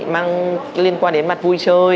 mang liên quan đến mặt vui chơi